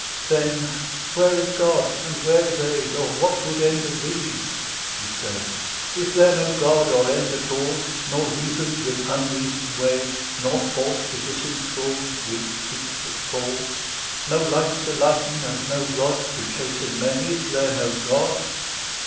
Then "Where is God? and where is aid? Or what good end of these?" she said; "Is there no God or end at all, Nor reason with unreason weighed, Nor force to disenthral Weak feet that fall? "No light to lighten and no rod To chasten men? Is there no God?"